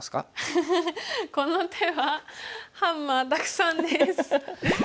フフフこの手はハンマーたくさんです。